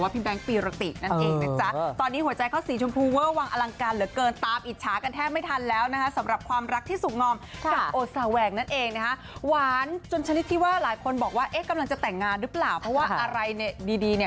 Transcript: พี่แบงค์วงแคลล์ชหรือว่าพี่แบงค์ปีระติ